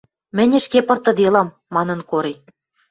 — Мӹнь ӹшке пыртыделам, — манын Кори.